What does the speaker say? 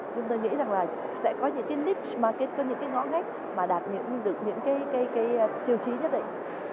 chúng ta nghĩ rằng là sẽ có những cái niche market có những cái ngõ ngách mà đạt những cái tiêu chí nhất định